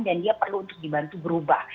dan dia perlu untuk dibantu berubah